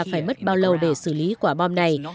phải mất bao lâu để xử lý quả bom này